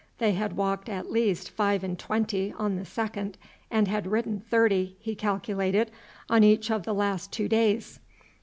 They had walked at least five and twenty on the second, and had ridden thirty, he calculated, on each of the last two days.